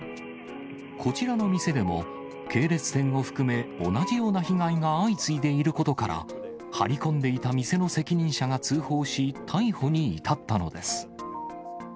こちらの店でも、系列店を含め、同じような被害が相次いでいることから、張り込んでいた店の責任者が通報し、逮捕に至ったのです。